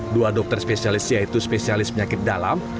dua dokter spesialis yaitu spesialis penyakit dalam